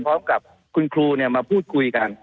พร้อมกับคุณครูมาพูดคุยกัน